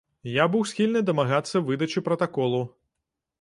Я быў схільны дамагацца выдачы пратаколу.